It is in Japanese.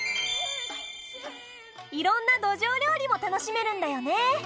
いろんな、どじょう料理も楽しめるんだよね！